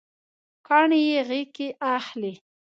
کاڼي یې غیږکې اخلي